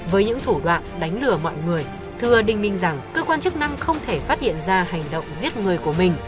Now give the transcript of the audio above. với những thủ đoạn đánh lừa mọi người thưa đinh minh rằng cơ quan chức năng không thể phát hiện ra hành động giết người của mình